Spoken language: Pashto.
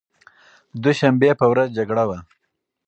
دوشنبې په ورځ جګړه وه.